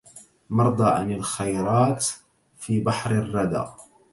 مرضى عن الخيرات في بحر الردى